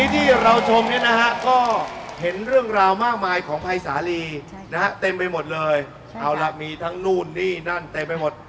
เต็มไปหมดเลยเอาละมีทั้งนู่นนี่นั่นเต็มไปหมด